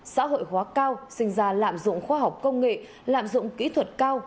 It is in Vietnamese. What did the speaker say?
xã hội hóa cao sinh ra lạm dụng khoa học công nghệ lạm dụng kỹ thuật cao